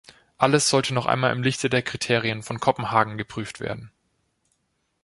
Alles sollte noch einmal im Lichte der Kriterien von Kopenhagen geprüft werden.